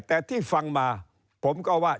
แต่ที่ฟังมาผมก็ว่า